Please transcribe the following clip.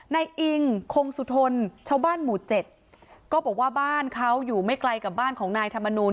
อิงคงสุธนชาวบ้านหมู่เจ็ดก็บอกว่าบ้านเขาอยู่ไม่ไกลกับบ้านของนายธรรมนูล